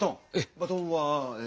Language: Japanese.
バトンはえ。